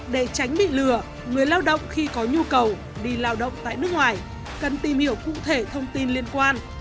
để tránh bị lừa người lao động khi có nhu cầu đi lao động tại nước ngoài cần tìm hiểu cụ thể thông tin liên quan